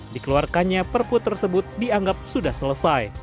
dikeluarkannya perpu tersebut dianggap sudah selesai